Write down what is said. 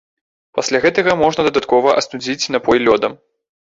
Пасля гэтага можна дадаткова астудзіць напой лёдам.